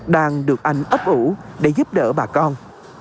đang được anh ấp ủ để giúp đỡ bà con